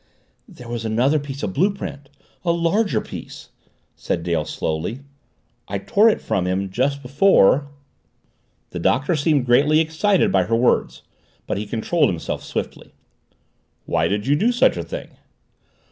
"There was another piece of blue print, a larger piece " said Dale slowly, "I tore it from him just before " The Doctor seemed greatly excited by her words. But he controlled himself swiftly. "Why did you do such a thing?"